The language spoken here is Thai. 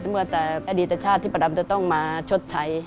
เมื่อแต่อดีตชาติที่ประดำจะต้องมาชดใช้